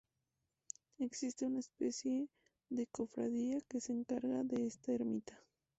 Existe una especie de cofradía que se encarga de esta ermita.